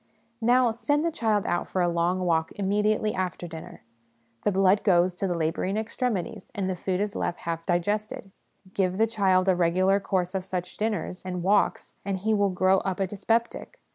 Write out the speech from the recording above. Now, send the child out for a long walk immediately after dinner the blood goes to the labouring extremities, and the food is left half digested ; give the child a regular course of such dinners and walks, and he will grow up a dyspeptic.